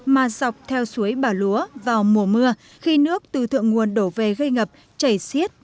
mà dọc theo suối bà lúa vào mùa mưa khi nước từ thượng nguồn đổ về gây ngập chảy xiết